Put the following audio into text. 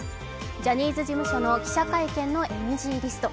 ジャニーズ事務所の記者会見のＮＧリスト。